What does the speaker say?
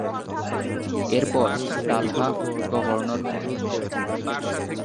এরপর Talha governor হন।